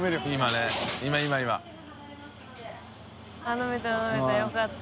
飲めた飲めたよかった。